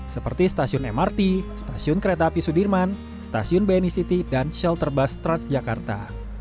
seperti stasiun mrt stasiun kereta api sudirman stasiun bni city dan shelter bus transjakarta